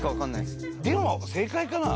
でも正解かな？